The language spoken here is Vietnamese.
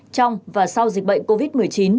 trong và sau dịch bệnh covid một mươi chín